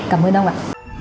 cảm ơn ông ạ